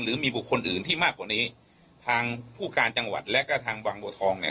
หรือมีบุคคลอื่นที่มากกว่านี้ทางผู้การจังหวัดและก็ทางบางบัวทองเนี่ย